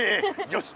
よし！